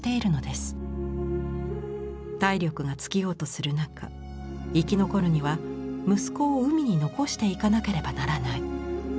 体力が尽きようとする中生き残るには息子を海に残していかなければならない。